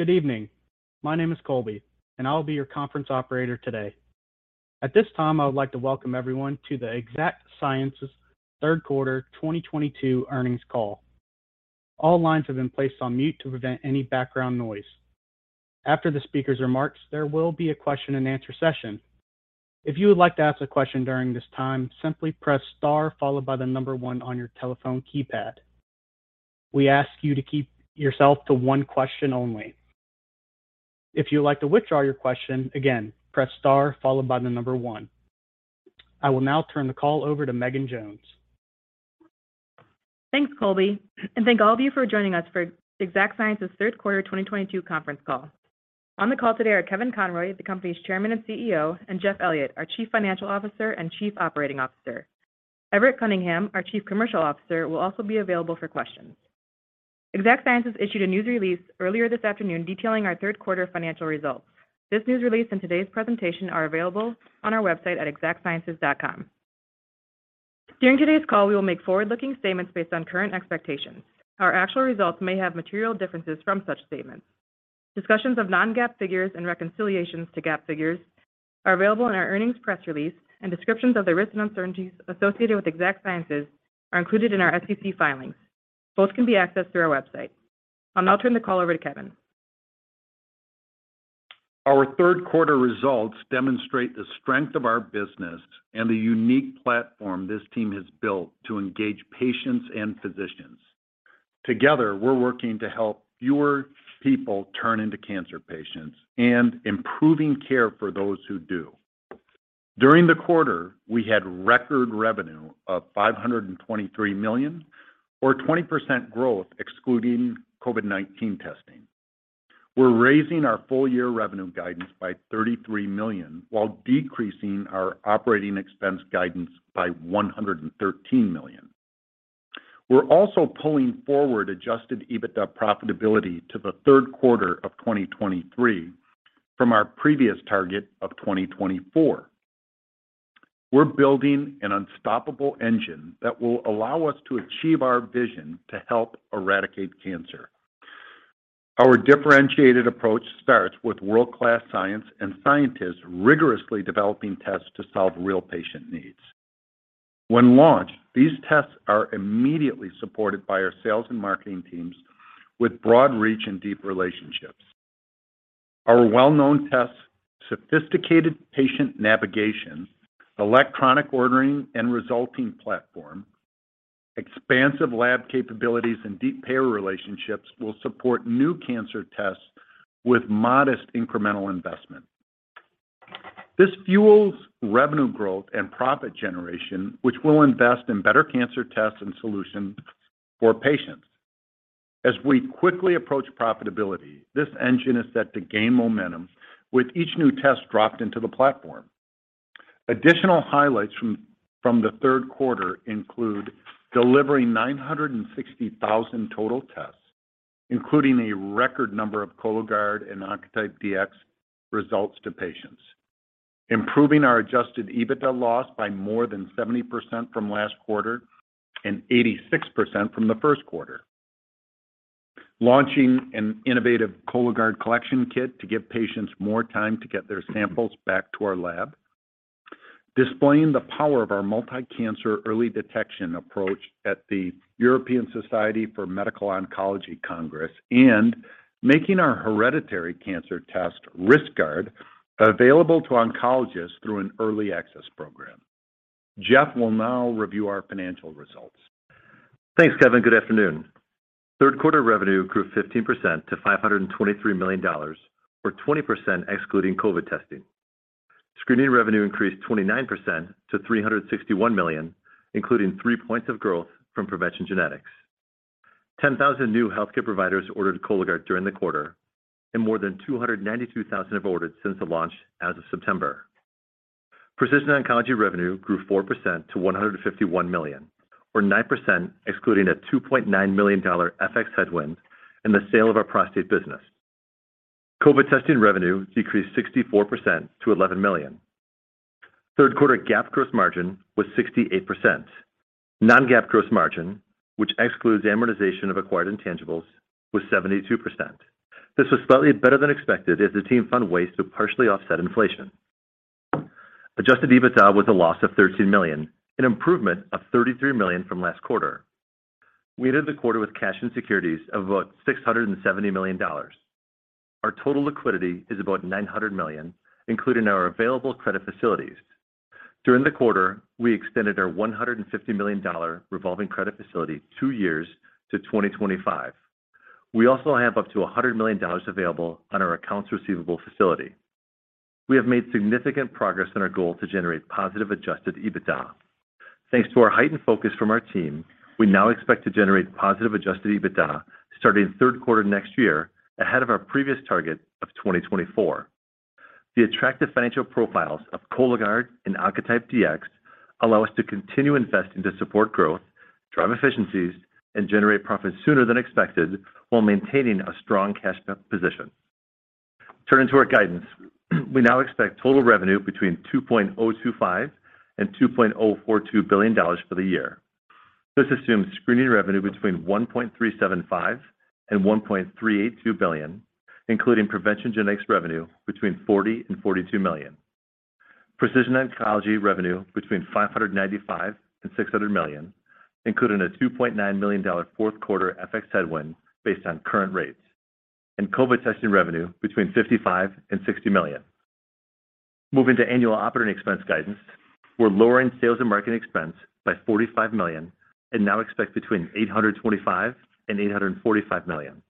Good evening. My name is Colby, and I'll be your conference operator today. At this time, I would like to welcome everyone to the Exact Sciences third quarter 2022 earnings call. All lines have been placed on mute to prevent any background noise. After the speaker's remarks, there will be a question and answer session. If you would like to ask a question during this time, simply press star followed by the number one on your telephone keypad. We ask you to keep yourself to one question only. If you'd like to withdraw your question, again, press star followed by the number one. I will now turn the call over to Megan Jones. Thanks, Colby, and thank all of you for joining us for Exact Sciences third quarter 2022 conference call. On the call today are Kevin Conroy, the company's Chairman and CEO, and Jeff Elliott, our Chief Financial Officer and Chief Operating Officer. Everett Cunningham, our Chief Commercial Officer, will also be available for questions. Exact Sciences issued a news release earlier this afternoon detailing our third quarter financial results. This news release and today's presentation are available on our website at exactsciences.com. During today's call, we will make forward-looking statements based on current expectations. Our actual results may have material differences from such statements. Discussions of non-GAAP figures and reconciliations to GAAP figures are available in our earnings press release, and descriptions of the risks and uncertainties associated with Exact Sciences are included in our SEC filings. Both can be accessed through our website. I'll now turn the call over to Kevin. Our third quarter results demonstrate the strength of our business and the unique platform this team has built to engage patients and physicians. Together, we're working to help fewer people turn into cancer patients and improving care for those who do. During the quarter, we had record revenue of $523 million or 20% growth excluding COVID-19 testing. We're raising our full year revenue guidance by $33 million while decreasing our operating expense guidance by $113 million. We're also pulling forward adjusted EBITDA profitability to the third quarter of 2023 from our previous target of 2024. We're building an unstoppable engine that will allow us to achieve our vision to help eradicate cancer. Our differentiated approach starts with world-class science and scientists rigorously developing tests to solve real patient needs. When launched, these tests are immediately supported by our sales and marketing teams with broad reach and deep relationships. Our well-known tests, sophisticated patient navigation, electronic ordering and resulting platform, expansive lab capabilities and deep payer relationships will support new cancer tests with modest incremental investment. This fuels revenue growth and profit generation, which we'll invest in better cancer tests and solutions for patients. As we quickly approach profitability, this engine is set to gain momentum with each new test dropped into the platform. Additional highlights from the third quarter include delivering 960,000 total tests, including a record number of Cologuard and Oncotype DX results to patients. Improving our adjusted EBITDA loss by more than 70% from last quarter and 86% from the first quarter. Launching an innovative Cologuard collection kit to give patients more time to get their samples back to our lab. Displaying the power of our multi-cancer early detection approach at the European Society for Medical Oncology Congress and making our hereditary cancer test Riskguard available to oncologists through an early access program. Jeff will now review our financial results. Thanks, Kevin. Good afternoon. Third quarter revenue grew 15% to $523 million or 20% excluding COVID testing. Screening revenue increased 29% to $361 million, including three points of growth from PreventionGenetics. 10,000 new healthcare providers ordered Cologuard during the quarter, and more than 292,000 have ordered since the launch as of September. Precision oncology revenue grew 4% to $151 million or 9%, excluding a $2.9 million FX headwind and the sale of our prostate business. COVID testing revenue decreased 64% to $11 million. Third quarter GAAP gross margin was 68%. Non-GAAP gross margin, which excludes amortization of acquired intangibles, was 72%. This was slightly better than expected as the team found ways to partially offset inflation. Adjusted EBITDA was a loss of $13 million, an improvement of $33 million from last quarter. We ended the quarter with cash and securities of about $670 million. Our total liquidity is about $900 million, including our available credit facilities. During the quarter, we extended our $150 million revolving credit facility two years to 2025. We also have up to $100 million available on our accounts receivable facility. We have made significant progress on our goal to generate positive adjusted EBITDA. Thanks to our heightened focus from our team, we now expect to generate positive adjusted EBITDA starting third quarter next year ahead of our previous target of 2024. The attractive financial profiles of Cologuard and Oncotype DX allow us to continue investing to support growth, drive efficiencies, and generate profits sooner than expected while maintaining a strong cash position. Turning to our guidance, we now expect total revenue between $2.025-$2.042 billion for the year. This assumes screening revenue between $1.375 billion-$1.382 billion, including PreventionGenetics revenue between $40 million-$42 million. Precision oncology revenue between $595 million-$600 million, including a $2.9 million fourth quarter FX headwind based on current rates. COVID testing revenue between $55 million-$60 million. Moving to annual operating expense guidance, we're lowering sales and marketing expense by $45 million and now expect between $825 million-$845 million.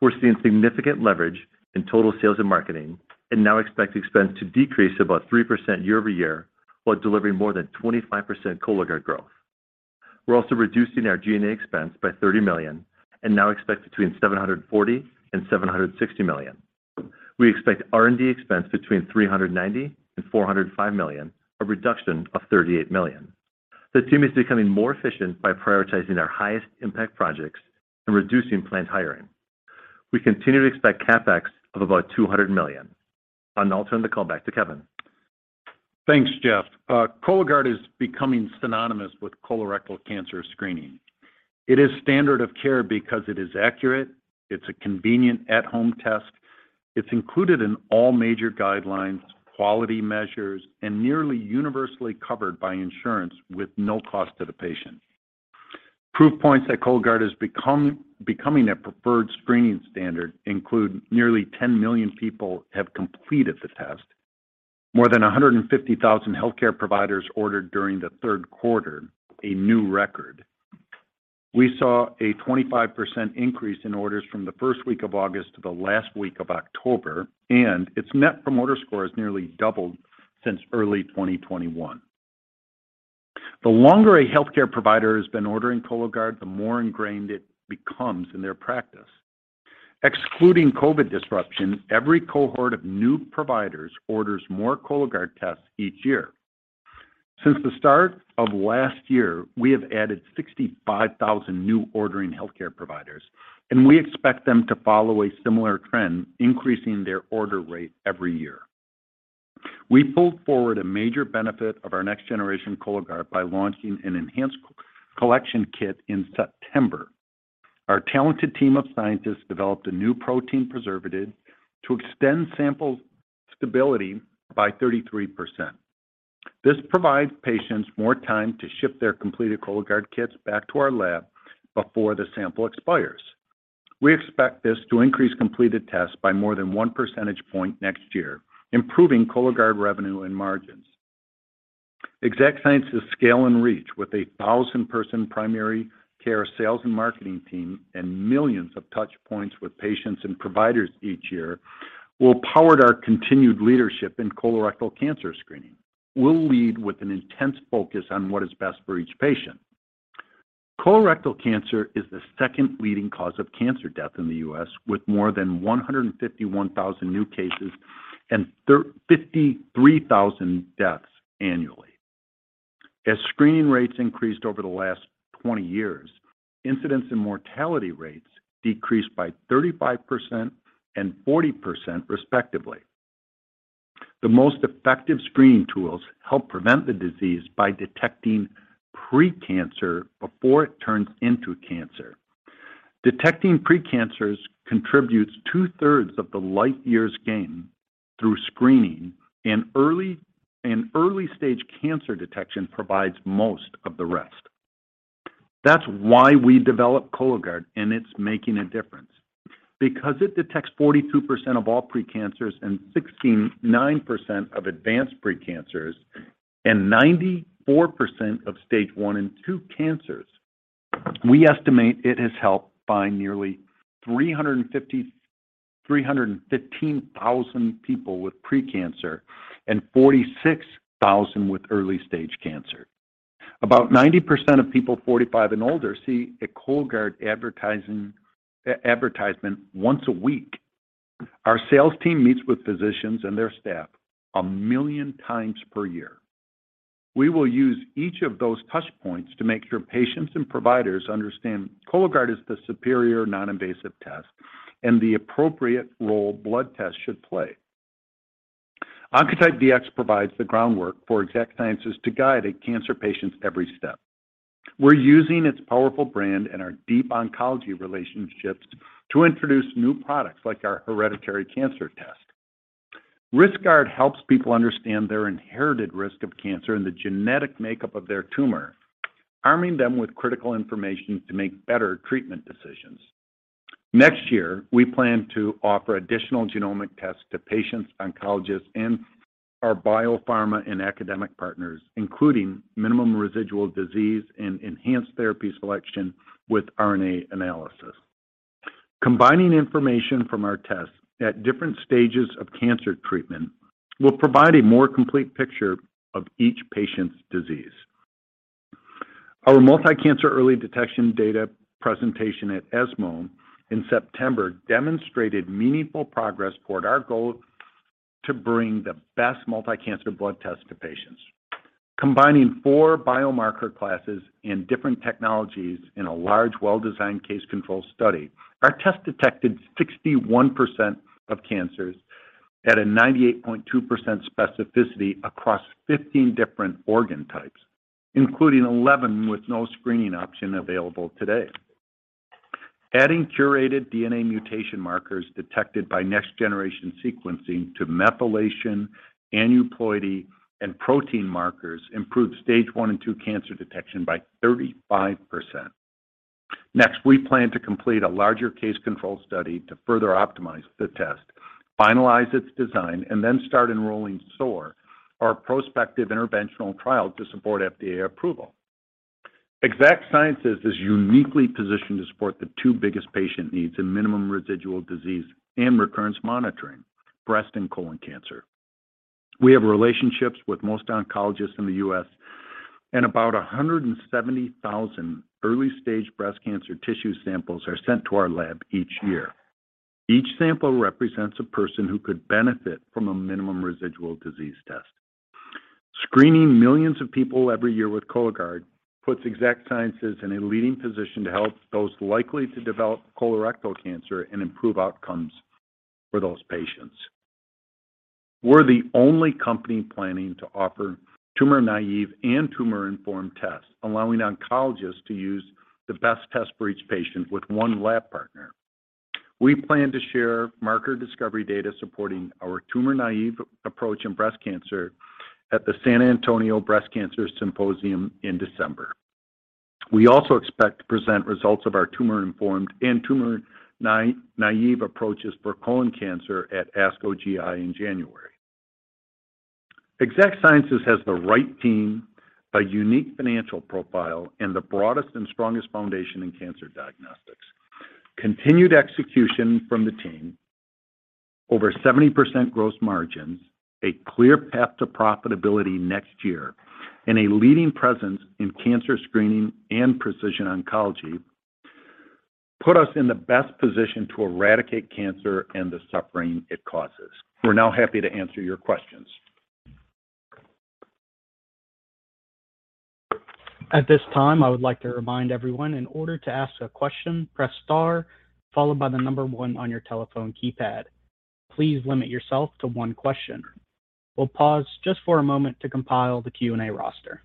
We're seeing significant leverage in total sales and marketing and now expect expense to decrease about 3% year-over-year while delivering more than 25% Cologuard growth. We're also reducing our G&A expense by $30 million and now expect between $740 million and $760 million. We expect R&D expense between $390 million and $405 million, a reduction of $38 million. The team is becoming more efficient by prioritizing our highest impact projects and reducing planned hiring. We continue to expect CapEx of about $200 million. I'll now turn the call back to Kevin. Thanks, Jeff. Cologuard is becoming synonymous with colorectal cancer screening. It is standard of care because it is accurate, it's a convenient at-home test. It's included in all major guidelines, quality measures, and nearly universally covered by insurance with no cost to the patient. Proof points that Cologuard is becoming a preferred screening standard include nearly 10 million people have completed the test. More than 150,000 healthcare providers ordered during the third quarter, a new record. We saw a 25% increase in orders from the first week of August to the last week of October, and its Net Promoter Score has nearly doubled since early 2021. The longer a healthcare provider has been ordering Cologuard, the more ingrained it becomes in their practice. Excluding COVID disruption, every cohort of new providers orders more Cologuard tests each year. Since the start of last year, we have added 65,000 new ordering healthcare providers, and we expect them to follow a similar trend, increasing their order rate every year. We pulled forward a major benefit of our next generation Cologuard by launching an enhanced co-collection kit in September. Our talented team of scientists developed a new protein preservative to extend sample stability by 33%. This provides patients more time to ship their completed Cologuard kits back to our lab before the sample expires. We expect this to increase completed tests by more than one percentage point next year, improving Cologuard revenue and margins. Exact Sciences scale and reach with a 1,000-person primary care sales and marketing team and millions of touch points with patients and providers each year will power our continued leadership in colorectal cancer screening. We'll lead with an intense focus on what is best for each patient. Colorectal cancer is the second leading cause of cancer death in the U.S., with more than 151,000 new cases and 53,000 deaths annually. As screening rates increased over the last 20 years, incidence and mortality rates decreased by 35% and 40% respectively. The most effective screening tools help prevent the disease by detecting pre-cancer before it turns into cancer. Detecting pre-cancers contributes 2/3 of the life-years gain through screening, and early stage cancer detection provides most of the rest. That's why we developed Cologuard, and it's making a difference. Because it detects 42% of all pre-cancers and 69% of advanced pre-cancers and 94% of stage 1 and 2 cancers, we estimate it has helped find nearly 315,000 people with pre-cancer and 46,000 with early-stage cancer. About 90% of people 45 and older see a Cologuard advertisement once a week. Our sales team meets with physicians and their staff a million times per year. We will use each of those touch points to make sure patients and providers understand Cologuard is the superior non-invasive test and the appropriate role blood tests should play. Oncotype DX provides the groundwork for Exact Sciences to guide a cancer patient's every step. We're using its powerful brand and our deep oncology relationships to introduce new products like our hereditary cancer test. Riskguard helps people understand their inherited risk of cancer and the genetic makeup of their tumor, arming them with critical information to make better treatment decisions. Next year, we plan to offer additional genomic tests to patients, oncologists, and our biopharma and academic partners, including minimal residual disease and enhanced therapy selection with RNA analysis. Combining information from our tests at different stages of cancer treatment will provide a more complete picture of each patient's disease. Our multi-cancer early detection data presentation at ESMO in September demonstrated meaningful progress toward our goal to bring the best multi-cancer blood test to patients. Combining four biomarker classes and different technologies in a large, well-designed case control study, our test detected 61% of cancers at a 98.2% specificity across 15 different organ types, including 11 with no screening option available today. Adding curated DNA mutation markers detected by next-generation sequencing to methylation, aneuploidy, and protein markers improved stage 1 and two cancer detection by 35%. Next, we plan to complete a larger case control study to further optimize the test, finalize its design, and then start enrolling SOAR, our prospective interventional trial to support FDA approval. Exact Sciences is uniquely positioned to support the two biggest patient needs in minimal residual disease and recurrence monitoring, breast and colon cancer. We have relationships with most oncologists in the U.S., and about 170,000 early-stage breast cancer tissue samples are sent to our lab each year. Each sample represents a person who could benefit from a minimal residual disease test. Screening millions of people every year with Cologuard puts Exact Sciences in a leading position to help those likely to develop colorectal cancer and improve outcomes for those patients. We're the only company planning to offer tumor-naive and tumor-informed tests, allowing oncologists to use the best test for each patient with one lab partner. We plan to share marker discovery data supporting our tumor-naive approach in breast cancer at the San Antonio Breast Cancer Symposium in December. We also expect to present results of our tumor-informed and tumor-naive approaches for colon cancer at ASCO GI in January. Exact Sciences has the right team, a unique financial profile, and the broadest and strongest foundation in cancer diagnostics. Continued execution from the team, over 70% gross margins, a clear path to profitability next year, and a leading presence in cancer screening and precision oncology put us in the best position to eradicate cancer and the suffering it causes. We're now happy to answer your questions. At this time, I would like to remind everyone, in order to ask a question, press star followed by the number one on your telephone keypad. Please limit yourself to one question. We'll pause just for a moment to compile the Q&A roster.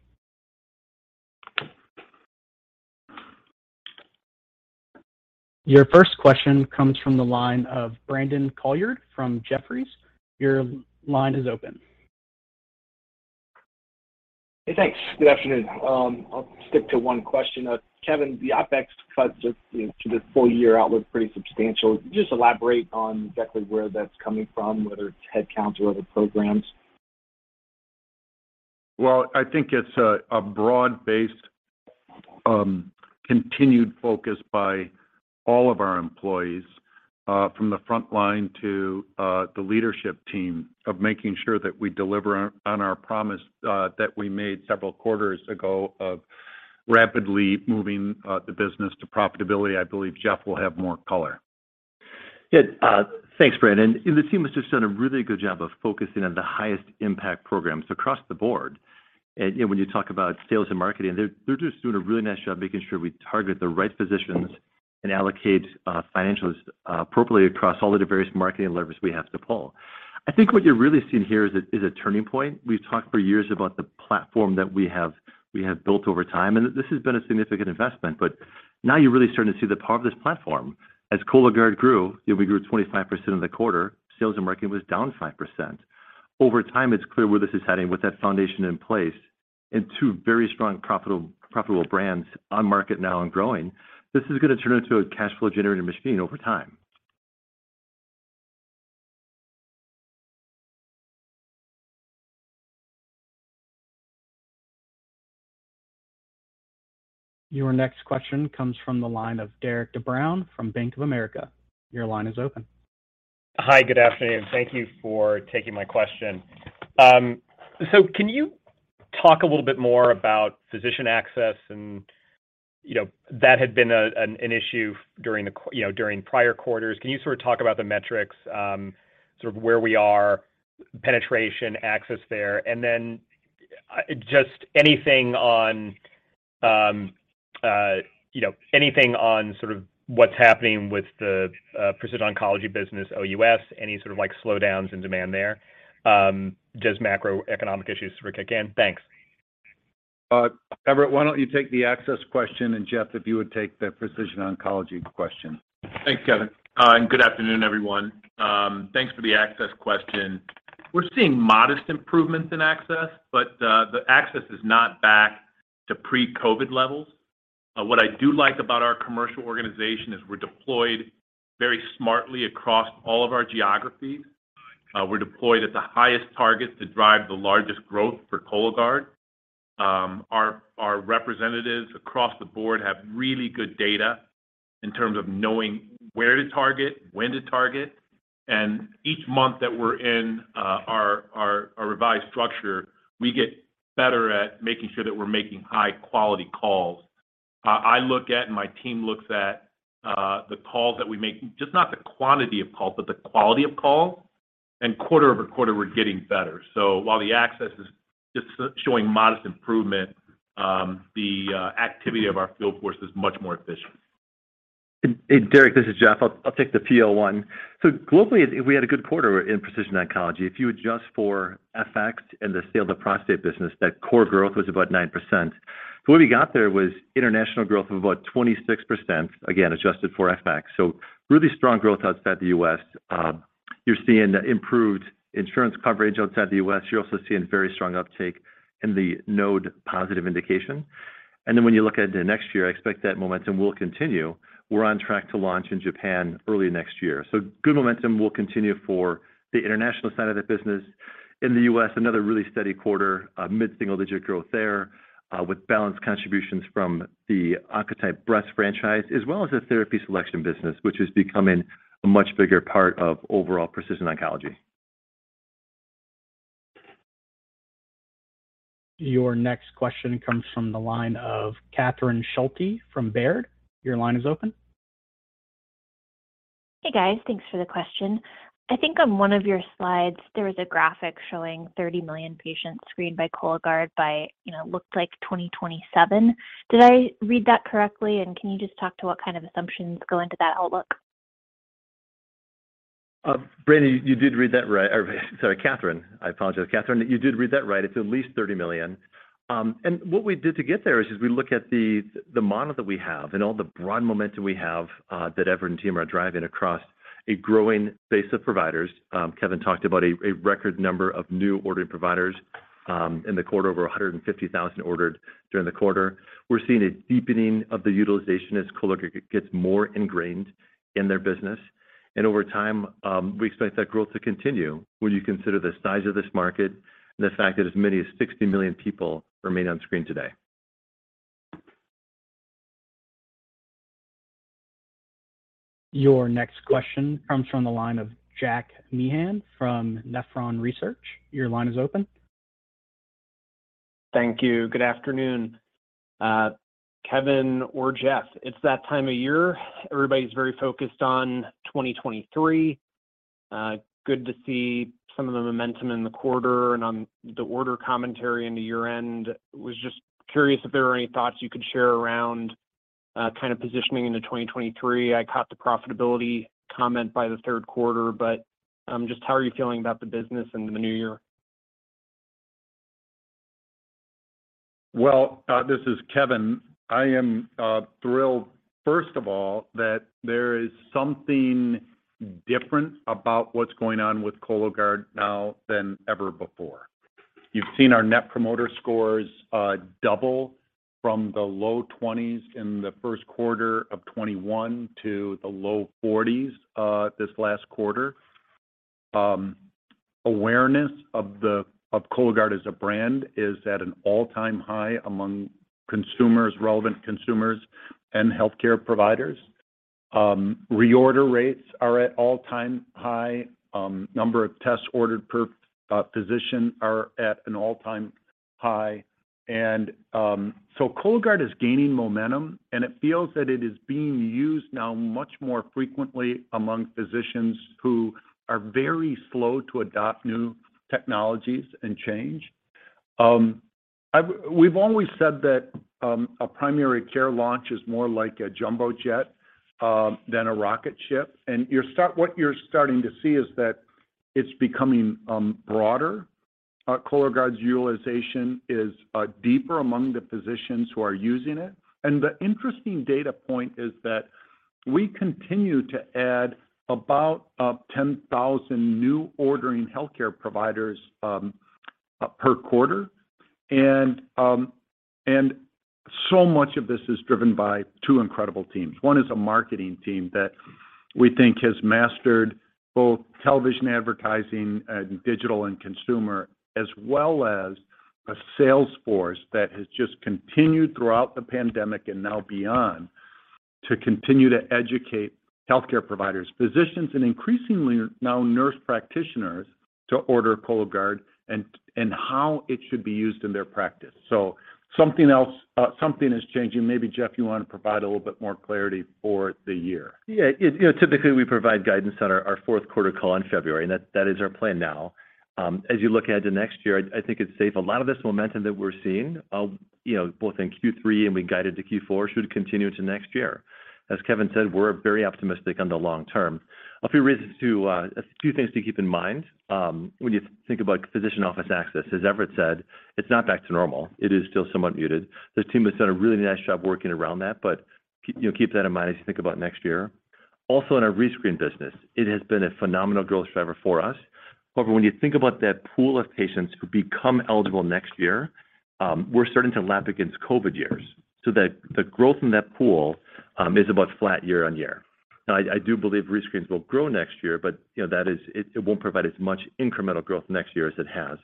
Your first question comes from the line of Brandon Couillard from Jefferies. Your line is open. Hey, thanks. Good afternoon. I'll stick to one question. Kevin, the OpEx cut just, you know, to this full year outlook, pretty substantial. Just elaborate on exactly where that's coming from, whether it's headcount or other programs. Well, I think it's a broad-based continued focus by all of our employees from the front line to the leadership team of making sure that we deliver on our promise that we made several quarters ago of rapidly moving the business to profitability. I believe Jeff will have more color. Yeah. Thanks, Brandon. The team has just done a really good job of focusing on the highest impact programs across the board. You know, when you talk about sales and marketing, they're just doing a really nice job making sure we target the right physicians and allocate financials appropriately across all of the various marketing levers we have to pull. I think what you're really seeing here is a turning point. We've talked for years about the platform that we have built over time, and this has been a significant investment. Now you're really starting to see the power of this platform. As Cologuard grew, you know, we grew 25% in the quarter, sales and marketing was down 5%. Over time, it's clear where this is heading. With that foundation in place and two very strong, profitable brands on market now and growing, this is gonna turn into a cash flow generating machine over time. Your next question comes from the line of Derik de Bruin from Bank of America. Your line is open. Hi. Good afternoon. Thank you for taking my question. So can you talk a little bit more about physician access and, you know, that had been an issue during prior quarters. Can you sort of talk about the metrics, sort of where we are, penetration, access there? And then, just anything on, you know, anything on sort of what's happening with the precision oncology business OUS, any sort of like slowdowns in demand there? Does macroeconomic issues sort of kick in? Thanks. Everett, why don't you take the access question, and Jeff, if you would take the precision oncology question. Thanks, Kevin. Good afternoon, everyone. Thanks for the access question. We're seeing modest improvements in access, but the access is not back to pre-COVID levels. What I do like about our commercial organization is we're deployed very smartly across all of our geographies. We're deployed at the highest targets that drive the largest growth for Cologuard. Our representatives across the board have really good data in terms of knowing where to target, when to target. Each month that we're in our revised structure, we get better at making sure that we're making high-quality calls. I look at, and my team looks at, the calls that we make, just not the quantity of calls, but the quality of calls. Quarter-over-quarter, we're getting better. While the access is just showing modest improvement, the activity of our field force is much more efficient. Hey, Derik de Bruin, this is Jeff Elliott. I'll take the Q1. Globally, we had a good quarter in precision oncology. If you adjust for FX and the sale of the prostate business, that core growth was about 9%. The way we got there was international growth of about 26%, again adjusted for FX. Really strong growth outside the U.S. You're seeing the improved insurance coverage outside the U.S. You're also seeing very strong uptake in the node-positive indication. Then when you look at the next year, I expect that momentum will continue. We're on track to launch in Japan early next year. Good momentum will continue for the international side of the business. In the U.S., another really steady quarter, a mid-single-digit growth there, with balanced contributions from the Oncotype breast franchise as well as the therapy selection business, which is becoming a much bigger part of overall precision oncology. Your next question comes from the line of Catherine Schulte from Baird. Your line is open. Hey, guys. Thanks for the question. I think on one of your slides there was a graphic showing 30 million patients screened by Cologuard by, you know, looked like 2027. Did I read that correctly, and can you just talk to what kind of assumptions go into that outlook? Catherine, you did read that right. Or, sorry, Catherine. I apologize. Catherine, you did read that right. It's at least $30 million. What we did to get there is we look at the model that we have and all the broad momentum we have, that Everett and team are driving across a growing base of providers. Kevin talked about a record number of new ordering providers in the quarter. Over 150,000 ordered during the quarter. We're seeing a deepening of the utilization as Cologuard gets more ingrained in their business. Over time, we expect that growth to continue when you consider the size of this market and the fact that as many as 60 million people remain unscreened today. Your next question comes from the line of Jack Meehan from Nephron Research. Your line is open. Thank you. Good afternoon, Kevin or Jeff. It's that time of year. Everybody's very focused on 2023. Good to see some of the momentum in the quarter and on the order commentary into year-end. Was just curious if there were any thoughts you could share around, kind of positioning into 2023. I caught the profitability comment by the third quarter, but just how are you feeling about the business in the new year? Well, this is Kevin. I am thrilled, first of all, that there is something different about what's going on with Cologuard now than ever before. You've seen our Net Promoter Scores double from the low 20s in the first quarter of 2021 to the low 40s this last quarter. Awareness of Cologuard as a brand is at an all-time high among consumers, relevant consumers and healthcare providers. Reorder rates are at all-time high. Number of tests ordered per physician are at an all-time high. Cologuard is gaining momentum, and it feels that it is being used now much more frequently among physicians who are very slow to adopt new technologies and change. We've always said that a primary care launch is more like a jumbo jet than a rocket ship. What you're starting to see is that it's becoming broader. Cologuard's utilization is deeper among the physicians who are using it. The interesting data point is that we continue to add about 10,000 new ordering healthcare providers per quarter. Much of this is driven by two incredible teams. One is a marketing team that we think has mastered both television advertising and digital and consumer, as well as a sales force that has just continued throughout the pandemic and now beyond to continue to educate healthcare providers, physicians, and increasingly now nurse practitioners to order Cologuard and how it should be used in their practice. Something is changing. Maybe, Jeff, you want to provide a little bit more clarity for the year. Yeah. You know, typically we provide guidance on our fourth quarter call in February, and that is our plan now. As you look ahead to next year, I think it's safe. A lot of this momentum that we're seeing, you know, both in Q3 and we guided to Q4, should continue to next year. As Kevin said, we're very optimistic on the long term. A few things to keep in mind, when you think about physician office access. As Everett said, it's not back to normal. It is still somewhat muted. The team has done a really nice job working around that, but keep that in mind as you think about next year. Also in our rescreen business, it has been a phenomenal growth driver for us. However, when you think about that pool of patients who become eligible next year, we're starting to lap against COVID years. The growth in that pool is about flat year-over-year. Now, I do believe rescreens will grow next year, but you know, that is, it won't provide as much incremental growth next year as it has.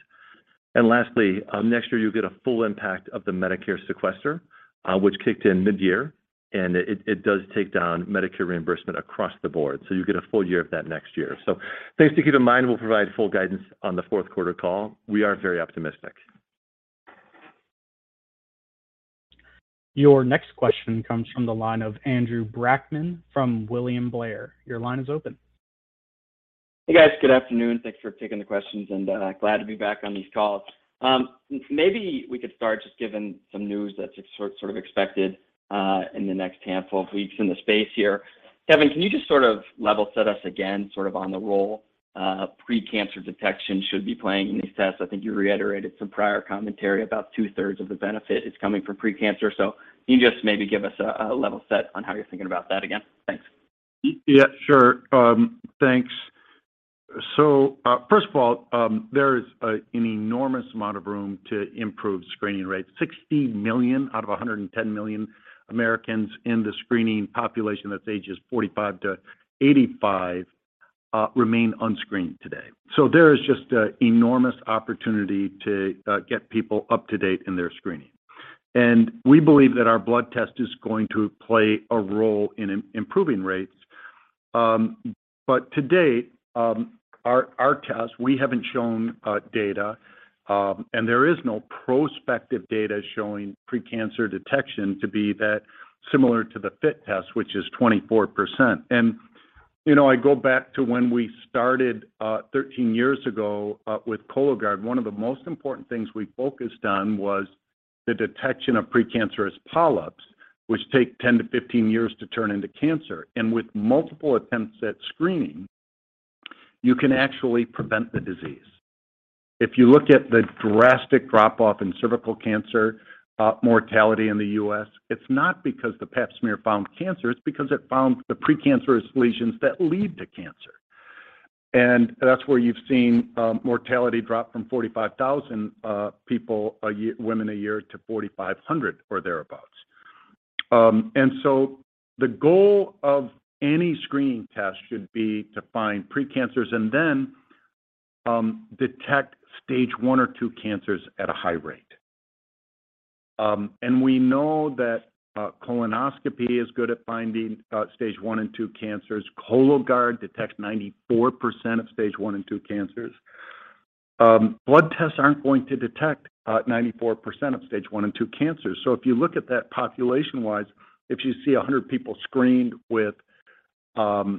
Lastly, next year you'll get a full impact of the Medicare sequester, which kicked in mid-year, and it does take down Medicare reimbursement across the board. You'll get a full year of that next year. Things to keep in mind. We'll provide full guidance on the fourth quarter call. We are very optimistic. Your next question comes from the line of Andrew Brackmann from William Blair. Your line is open. Hey guys, good afternoon. Thanks for taking the questions, and glad to be back on these calls. Maybe we could start just given some news that's sort of expected in the next handful of weeks in the space here. Kevin, can you just sort of level set us again, sort of on the role precancer detection should be playing in these tests? I think you reiterated some prior commentary, about 2/3 of the benefit is coming from precancer. Can you just maybe give us a level set on how you're thinking about that again? Thanks. Yeah, sure. Thanks. First of all, there is an enormous amount of room to improve screening rates. 16 million out of 110 million Americans in the screening population that's ages 45-85 remain unscreened today. There is just an enormous opportunity to get people up to date in their screening. We believe that our blood test is going to play a role in improving rates. But to date, our test, we haven't shown data, and there is no prospective data showing precancer detection to be that similar to the FIT test, which is 24%. You know, I go back to when we started 13 years ago with Cologuard. One of the most important things we focused on was the detection of precancerous polyps, which take 10-15 years to turn into cancer. With multiple attempts at screening, you can actually prevent the disease. If you look at the drastic drop-off in cervical cancer mortality in the U.S., it's not because the Pap smear found cancer, it's because it found the precancerous lesions that lead to cancer. That's where you've seen mortality drop from 45,000 women a year to 4,500 or thereabouts. The goal of any screening test should be to find precancers and then detect stage 1 or 2 cancers at a high rate. We know that colonoscopy is good at finding stage 1 and 2 cancers. Cologuard detects 94% of stage 1 and 2 cancers. Blood tests aren't going to detect 94% of stage 1 and 2 cancers. If you look at that population-wise, if you see 100 people screened with a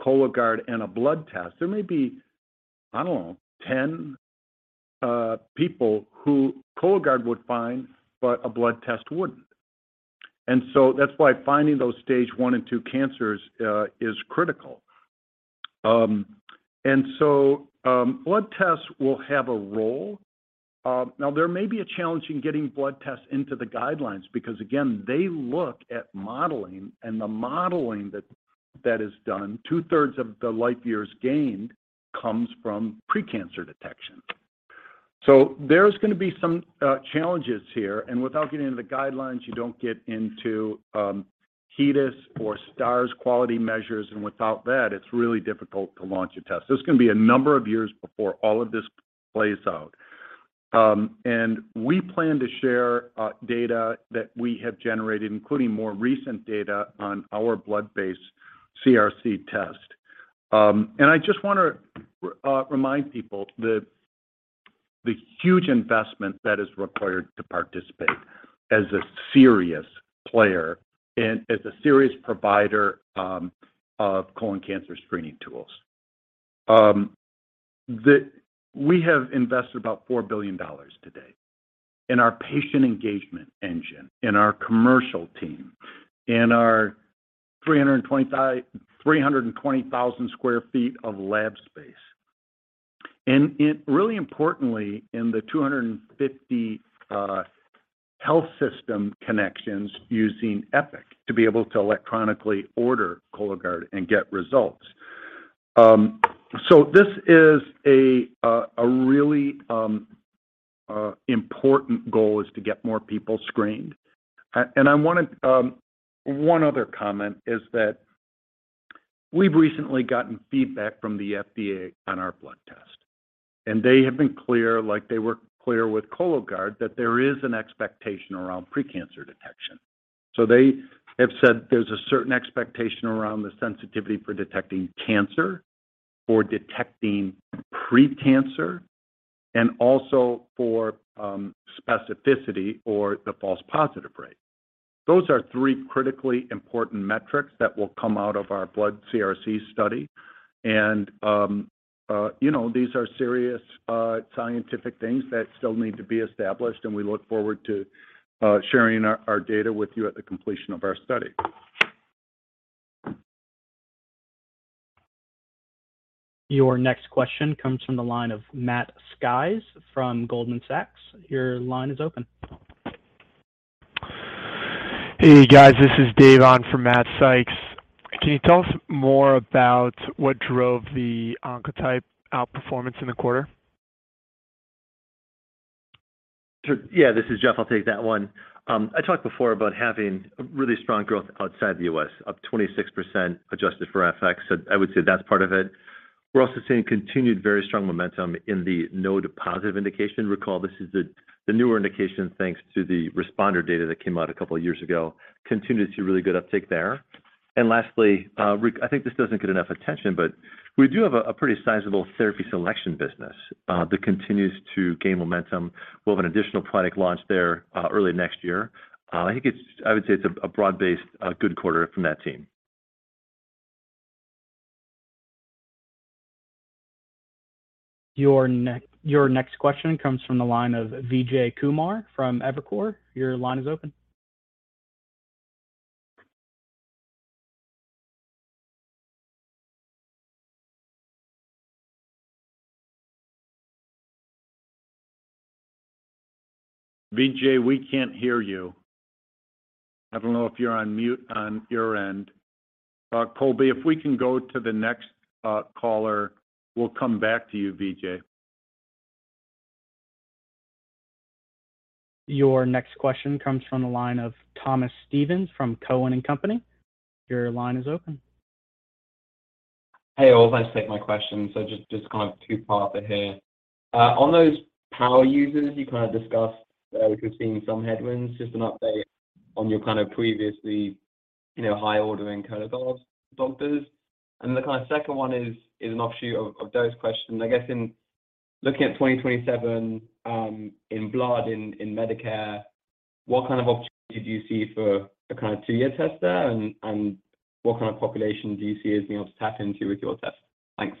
Cologuard and a blood test, there may be, I don't know, 10 people who Cologuard would find but a blood test wouldn't. That's why finding those stage 1 and 2 cancers is critical. Blood tests will have a role. Now there may be a challenge in getting blood tests into the guidelines because, again, they look at modeling and the modeling that is done, 2/3 of the life years gained comes from precancer detection. There's gonna be some challenges here, and without getting into the guidelines, you don't get into HEDIS or STARs quality measures, and without that, it's really difficult to launch a test. There's gonna be a number of years before all of this plays out. We plan to share data that we have generated, including more recent data on our blood-based CRC test. I just wanna remind people the huge investment that is required to participate as a serious player and as a serious provider of colon cancer screening tools. We have invested about $4 billion to date in our patient engagement engine, in our commercial team, in our 320,000 sq ft of lab space. Really importantly, in the 250 health system connections using Epic to be able to electronically order Cologuard and get results. This is a really important goal is to get more people screened. One other comment is that we've recently gotten feedback from the FDA on our blood test, and they have been clear, like they were clear with Cologuard, that there is an expectation around precancer detection. They have said there's a certain expectation around the sensitivity for detecting cancer or detecting precancer, and also for specificity or the false positive rate. Those are three critically important metrics that will come out of our blood CRC study. You know, these are serious scientific things that still need to be established, and we look forward to sharing our data with you at the completion of our study. Your next question comes from the line of Matt Sykes from Goldman Sachs. Your line is open. Hey, guys. This is Dave on for Matt Sykes. Can you tell us more about what drove the Oncotype outperformance in the quarter? Sure. Yeah, this is Jeff. I'll take that one. I talked before about having really strong growth outside the U.S., up 26% adjusted for FX. I would say that's part of it. We're also seeing continued very strong momentum in the node-positive indication. Recall, this is the newer indication, thanks to the RxPONDER data that came out a couple of years ago. Continue to see really good uptake there. Lastly, I think this doesn't get enough attention, but we do have a pretty sizable therapy selection business that continues to gain momentum. We'll have an additional product launch there early next year. I would say it's a broad-based good quarter from that team. Your next question comes from the line of Vijay Kumar from Evercore. Your line is open. Vijay, we can't hear you. I don't know if you're on mute on your end. Colby, if we can go to the next caller. We'll come back to you, Vijay. Your next question comes from the line of Thomas Steven from Cowen and Company. Your line is open. Hey, all. Thanks for taking my question. Just kind of two-parter here. On those power users you kind of discussed, you're seeing some headwinds. Just an update on your kind of previously, you know, high-ordering Cologuard doctors. Then kind of second one is an offshoot of those questions. I guess in looking at 2027 in blood in Medicare, what kind of opportunity do you see for a kind of two-year test there? And what kind of population do you see as being able to tap into with your test? Thanks.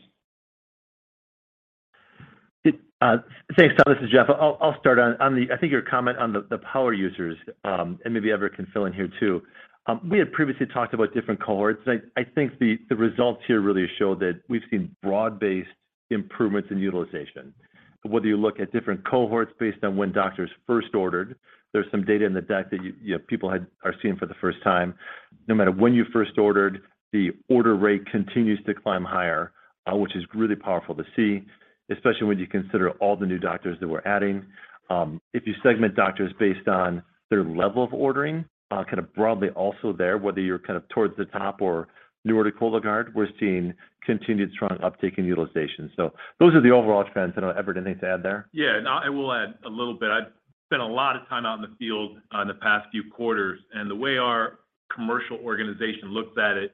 Thanks, Tom. This is Jeff. I'll start on the power users, and maybe Everett can fill in here too. We had previously talked about different cohorts. I think the results here really show that we've seen broad-based improvements in utilization. Whether you look at different cohorts based on when doctors first ordered, there's some data in the deck that you know people are seeing for the first time. No matter when you first ordered, the order rate continues to climb higher, which is really powerful to see, especially when you consider all the new doctors that we're adding. If you segment doctors based on their level of ordering, kind of broadly also there, whether you're kind of towards the top or newer to Cologuard, we're seeing continued strong uptick in utilization. Those are the overall trends. I don't know, Everett, anything to add there? Yeah. No, I will add a little bit. I've spent a lot of time out in the field in the past few quarters, and the way our commercial organization looks at it,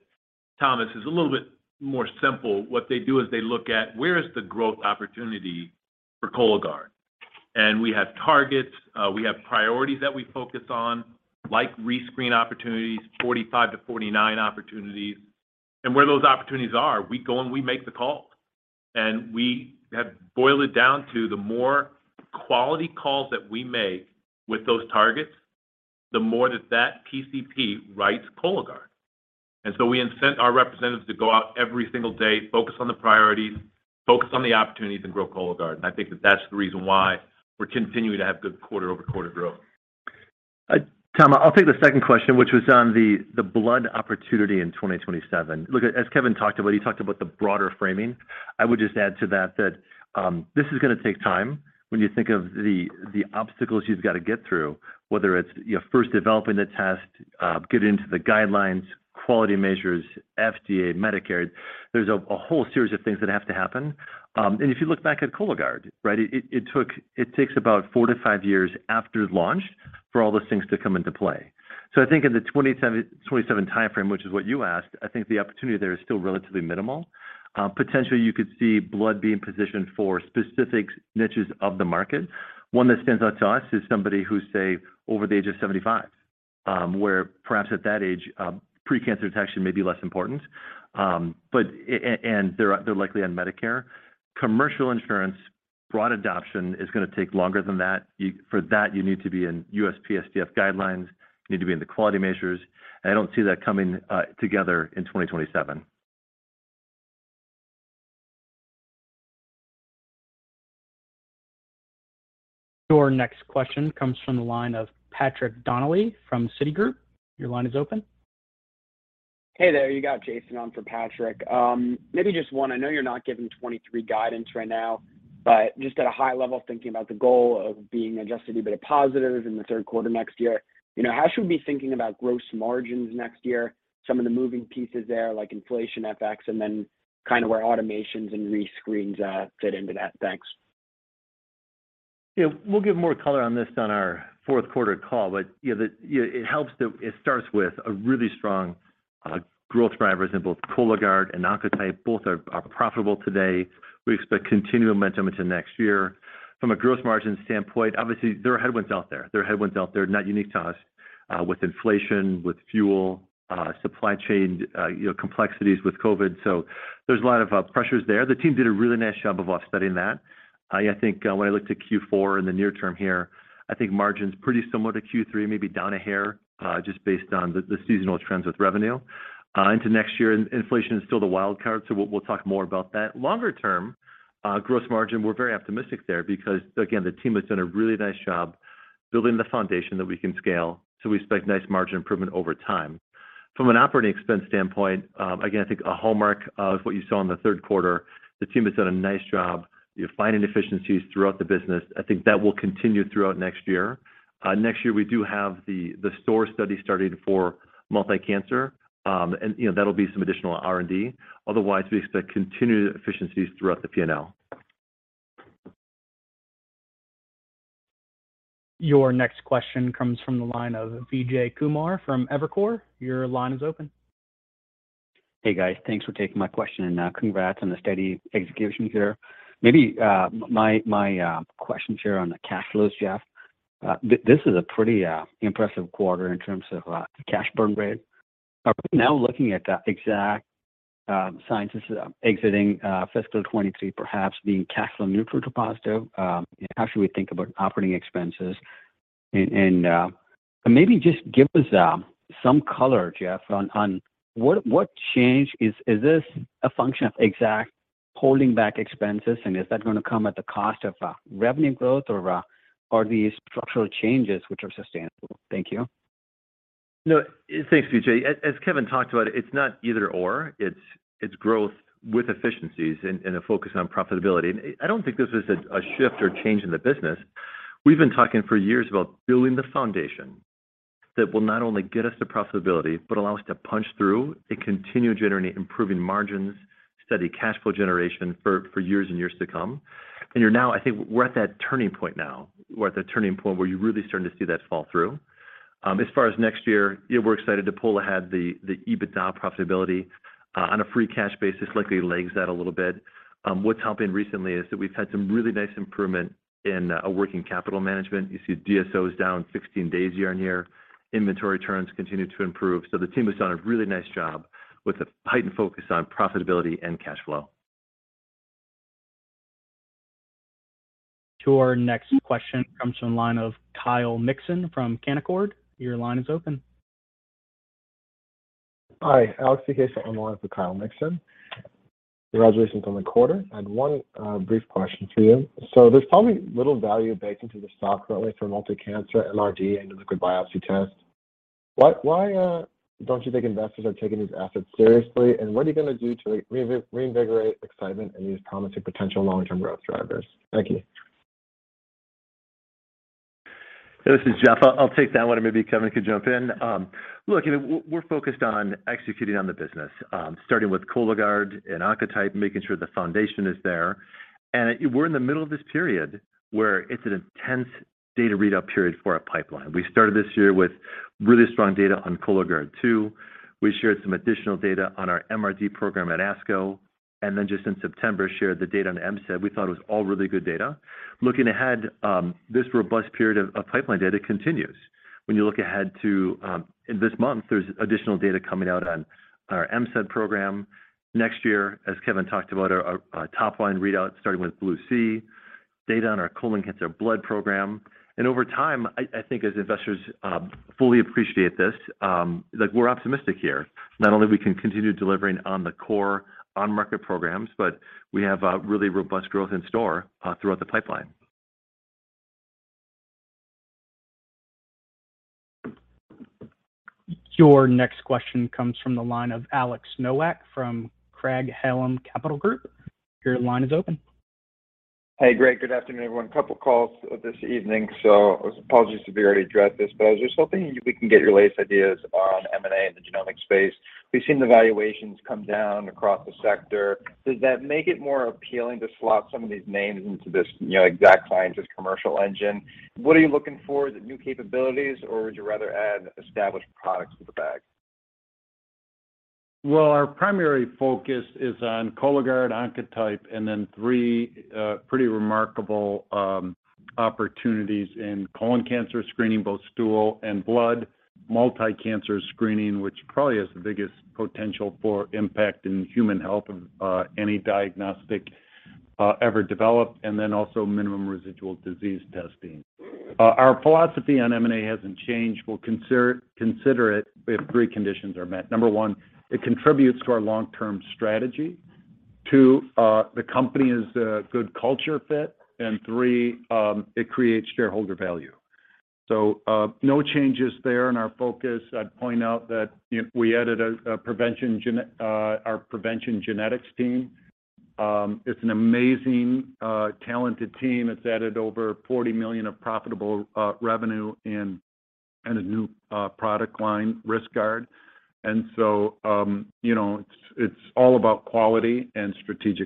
Thomas, is a little bit more simple. What they do is they look at where is the growth opportunity for Cologuard. We have targets, we have priorities that we focus on, like rescreen opportunities, 45-49 opportunities. Where those opportunities are, we go, and we make the call. We have boiled it down to the more quality calls that we make with those targets, the more that PCP writes Cologuard. We incent our representatives to go out every single day, focus on the priorities, focus on the opportunities, and grow Cologuard. I think that that's the reason why we're continuing to have good quarter-over-quarter growth. Tom, I'll take the second question, which was on the blood opportunity in 2027. Look, as Kevin talked about, he talked about the broader framing. I would just add to that this is gonna take time when you think of the obstacles you've got to get through, whether it's, you know, first developing the test, getting into the guidelines, quality measures, FDA, Medicare. There's a whole series of things that have to happen. If you look back at Cologuard, right, it takes about four-five years after launch for all those things to come into play. I think in the 2027 timeframe, which is what you asked, I think the opportunity there is still relatively minimal. Potentially, you could see blood being positioned for specific niches of the market. One that stands out to us is somebody who's, say, over the age of 75, where perhaps at that age, pre-cancer detection may be less important. They're likely on Medicare. Commercial insurance, broad adoption is gonna take longer than that. For that, you need to be in USPSTF guidelines, you need to be in the quality measures. I don't see that coming together in 2027. Your next question comes from the line of Patrick Donnelly from Citigroup. Your line is open. Hey there. You got Jason on for Patrick. Maybe just one. I know you're not giving 23 guidance right now, but just at a high level, thinking about the goal of being adjusted EBITDA positive in the third quarter next year. You know, how should we be thinking about gross margins next year? Some of the moving pieces there, like inflation, FX, and then kind of where automations and rescreens fit into that. Thanks. Yeah. We'll give more color on this on our fourth quarter call. You know, it helps that it starts with a really strong growth drivers in both Cologuard and Oncotype. Both are profitable today. We expect continued momentum into next year. From a gross margin standpoint, obviously, there are headwinds out there. There are headwinds out there, not unique to us, with inflation, with fuel, supply chain, you know, complexities with COVID. There's a lot of pressures there. The team did a really nice job of studying that. I think when I look to Q4 in the near term here, I think margin's pretty similar to Q3, maybe down a hair, just based on the seasonal trends with revenue. Into next year, inflation is still the wild card, so we'll talk more about that. Longer term, gross margin, we're very optimistic there because, again, the team has done a really nice job building the foundation that we can scale, so we expect nice margin improvement over time. From an operating expense standpoint, again, I think a hallmark of what you saw in the third quarter, the team has done a nice job, you know, finding efficiencies throughout the business. I think that will continue throughout next year. Next year, we do have the SOAR study starting for multi-cancer. You know, that'll be some additional R&D. Otherwise, we expect continued efficiencies throughout the P&L. Your next question comes from the line of Vijay Kumar from Evercore. Your line is open. Hey, guys. Thanks for taking my question, and congrats on the steady execution here. Maybe my question here on the cash flows, Jeff. This is a pretty impressive quarter in terms of cash burn rate. Are we now looking at Exact Sciences exiting fiscal 2023 perhaps being cash flow neutral to positive? How should we think about operating expenses? Maybe just give us some color, Jeff, on what changed. Is this a function of Exact holding back expenses, and is that gonna come at the cost of revenue growth, or are these structural changes which are sustainable? Thank you. No. Thanks, Vijay. As Kevin talked about, it's not either/or, it's growth with efficiencies and a focus on profitability. I don't think this is a shift or change in the business. We've been talking for years about building the foundation that will not only get us to profitability, but allow us to punch through and continue generating improving margins, steady cash flow generation for years and years to come. I think we're at that turning point now. We're at the turning point where you're really starting to see that fall through. As far as next year, yeah, we're excited to pull ahead the EBITDA profitability on a free cash basis, likely lags out a little bit. What's helping recently is that we've had some really nice improvement in working capital management. You see DSO down 16 days year-on-year. Inventory turns continue to improve. The team has done a really nice job with a heightened focus on profitability and cash flow. To our next question comes from the line of Kyle Mikson from Canaccord. Your line is open. Hi. Alex Diakun on the line for Kyle Mikson. Congratulations on the quarter, and one brief question for you. There's probably little value baked into the stock currently for multi-cancer MRD and the liquid biopsy test. Why don't you think investors are taking these assets seriously, and what are you gonna do to reinvigorate excitement in these promising potential long-term growth drivers? Thank you. This is Jeff. I'll take that one, and maybe Kevin can jump in. Look, you know, we're focused on executing on the business, starting with Cologuard and Oncotype, making sure the foundation is there. We're in the middle of this period where it's an intense data readout period for our pipeline. We started this year with really strong data on Cologuard Plus. We shared some additional data on our MRD program at ASCO, and then just in September, shared the data on MCED. We thought it was all really good data. Looking ahead, this robust period of pipeline data continues. When you look ahead to this month, there's additional data coming out on our MCED program. Next year, as Kevin talked about, our top line readout starting with BLUE-C, data on our colon cancer blood program. Over time, I think as investors fully appreciate this, like, we're optimistic here. Not only we can continue delivering on the core on-market programs, but we have a really robust growth in store throughout the pipeline. Your next question comes from the line of Alex Nowak from Craig-Hallum Capital Group. Your line is open. Hey, Greg. Good afternoon, everyone. A couple calls this evening, so apologies if you already addressed this, but I was just hoping we can get your latest ideas on M&A in the genomic space. We've seen the valuations come down across the sector. Does that make it more appealing to slot some of these names into this, you know, Exact Sciences' commercial engine? What are you looking for, the new capabilities, or would you rather add established products to the bag? Well, our primary focus is on Cologuard, Oncotype, and then three pretty remarkable opportunities in colon cancer screening, both stool and blood, multi-cancer screening, which probably is the biggest potential for impact in human health of any diagnostic ever developed, and then also minimal residual disease testing. Our philosophy on M&A hasn't changed. We'll consider it if three conditions are met. One, it contributes to our long-term strategy. Two, the company is a good culture fit, and three, it creates shareholder value. No changes there in our focus. I'd point out that we added our PreventionGenetics team. It's an amazing talented team. It's added over $40 million of profitable revenue and a new product line, Riskguard. you know, it's all about quality and strategic